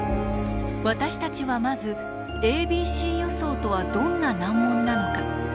私たちはまずａｂｃ予想とはどんな難問なのか。